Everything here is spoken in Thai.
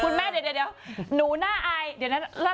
คุณแม่เดี๋ยวหนูน่าอาย